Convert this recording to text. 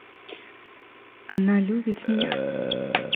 Она любит меня.